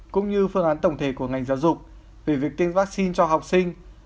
cũng như phương án tổng thể của ngành giáo dục về việc tiêm vaccine cho học sinh